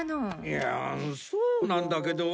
いやそうなんだけど。